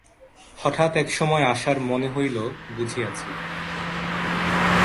হঠাৎ এক সময় আশার মনে হইল, বুঝিয়াছি।